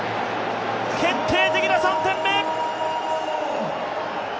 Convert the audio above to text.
決定的な３点目。